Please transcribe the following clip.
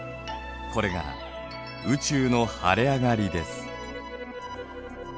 これが宇宙の晴れ上がりです。